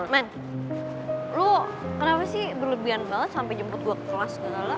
men lo kenapa sih berlebihan banget sampe jemput gue ke kelas gak tau lah